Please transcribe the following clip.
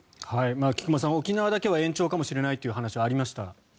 菊間さん、沖縄だけは延長かもしれないという話はありました。